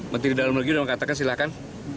menteri dalam negeri sudah mengatakan silahkan